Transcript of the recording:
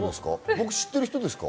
僕知っている人ですか？